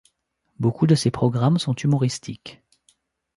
Beaucoup de ses programmes sont humoristiques.